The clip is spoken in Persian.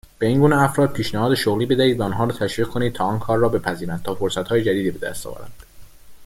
به اینگونه افراد پیشنهاد شغلی بدهید و آنها را تشویق کنید تا آن کار را بپذیرند تا فرصتهای جدیدی بدست آورند